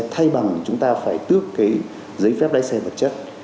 thay bằng chúng ta phải tước cái giấy phép lái xe vật chất